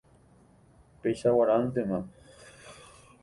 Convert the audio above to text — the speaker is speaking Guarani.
Péicha g̃uarãntema.